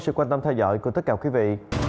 sự quan tâm theo dõi của tất cả quý vị